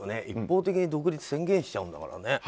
一方的に独立を宣言しちゃうんだからね。